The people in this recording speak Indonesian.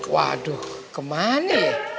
waduh kemana ya